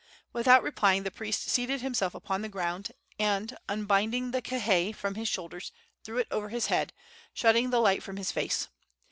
Without replying the priest seated himself upon the ground, and, unbinding the kihei from his shoulders, threw it over his head, shutting the light from his face.